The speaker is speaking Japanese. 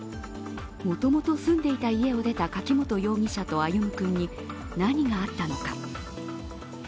もともと住んでいた家を出た柿本容疑者と歩夢君に何があったのか。